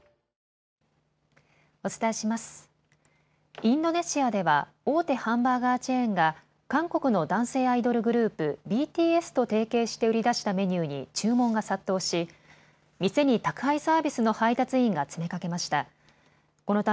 インドネシアでは大手ハンバーガーチェーンが韓国の男性アイドルグループ、ＢＴＳと提携して売り出したメニューに注文が殺到し、店に宅配サービスの配達員が詰めかけました。